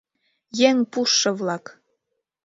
Еҥ пуштшо-влак!..